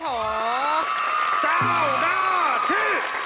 เจ้าหน้าที่